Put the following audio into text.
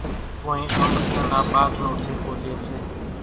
ڪونئين آنٻڙِيان نا ٻاگھ نو ٺيڪو ليئيَ سي۔